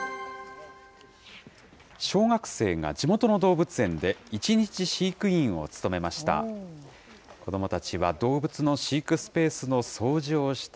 小学生が地元の動物園で１日飼育員を務めました。